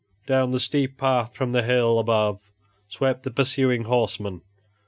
Down the steep path from the hill above swept the pursuing horsemen.